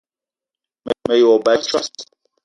Me ye wo ba a tsos